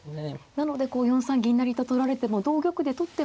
なので４三銀成と取られても同玉で取っても。